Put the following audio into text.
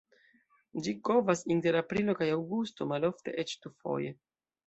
Ĝi kovas inter aprilo kaj aŭgusto, malofte eĉ dufoje.